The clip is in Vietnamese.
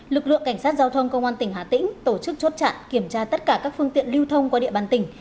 lực lượng cảnh sát giao thông công an tỉnh hà tĩnh tổ chức chốt chặn kiểm tra tất cả các phương tiện lưu thông qua địa bàn tỉnh